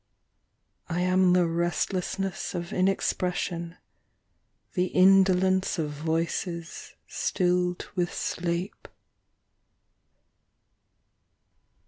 I am the restlessness of inexpression, The indolence of voices Stilled with sleep.